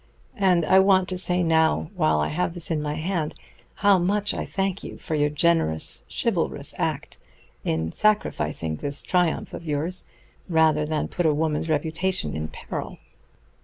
And I want to say now, while I have this in my hand, how much I thank you for your generous, chivalrous act in sacrificing this triumph of yours rather than put a woman's reputation in peril.